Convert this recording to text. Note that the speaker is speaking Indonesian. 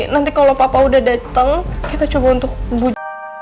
nanti kalau bapak udah dateng kita coba untuk buj